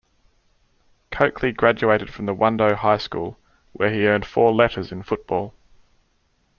Coakley graduated from Wando High School, where he earned four letters in football.